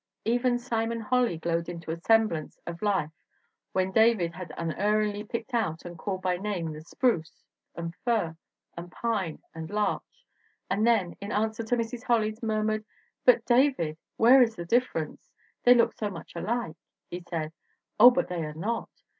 Even Simon Holly glowed into a semblance of life when David had unerringly picked out and called by name the spruce, and fir, and pine, and larch; and then, in answer to Mrs. Holly's murmured, 'But, David, where is the difference? They look so much alike/ had said :" 'Oh, but they are not.